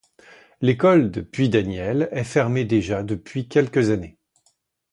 L’école de Puydaniel est fermée déjà depuis quelques années.